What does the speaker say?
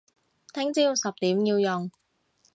聽朝十點要用